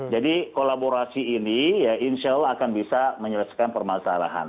jadi kolaborasi ini insya allah akan bisa menyelesaikan permasalahan